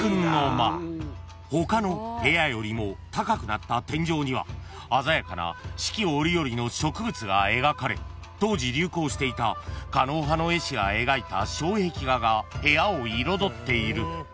［他の部屋よりも高くなった天井には鮮やかな四季折々の植物が描かれ当時流行していた狩野派の絵師が描いた障壁画が部屋を彩っている］